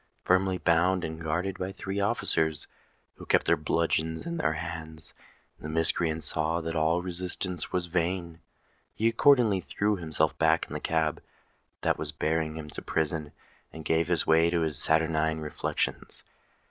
Firmly bound, and guarded by three officers, who kept their bludgeons in their hands, the miscreant saw that all resistance was vain: he accordingly threw himself back in the cab that was bearing him to prison, and gave way to his saturnine reflections.